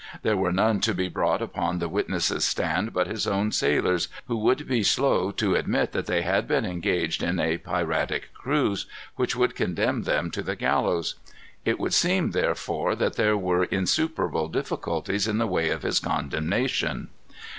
There were none to be brought upon the witness's stand but his own sailors, who would be slow to admit that they had been engaged in a piratic cruise, which would condemn them to the gallows. It would seem, therefore, that there were insuperable difficulties in the way of his condemnation.